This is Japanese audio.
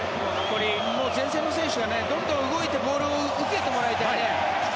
前線の選手がどんどん動いてボールを受けてもらいたいね。